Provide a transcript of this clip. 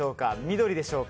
緑でしょうか。